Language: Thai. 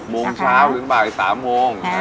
โมงเช้าถึงบ่าย๓โมง